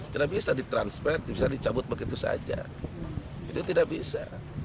tidak bisa ditransfer bisa dicabut begitu saja itu tidak bisa